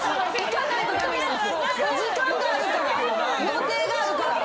予定があるから。